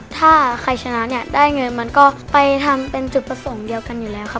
ถ้าใครชนะเนี่ยได้เงินมันก็ไปทำเป็นจุดประสงค์เดียวกันอยู่แล้วค่ะ